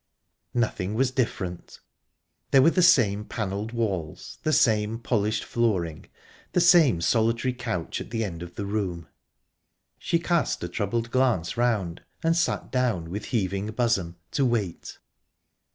Nothing was different. There were the same panelled walls, the same polished flooring, the same solitary couch at the end of the room. She cast a troubled glance round, and sat down, with heaving bosom, to wait...